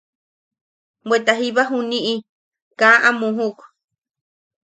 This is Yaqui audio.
Bweta jiba juniʼi kaa a muujuk.